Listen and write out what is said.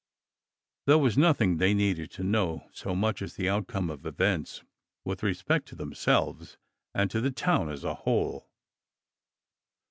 There was nothing they needed to know so much as the outcome of events with respect to themselves and to the town as a whole.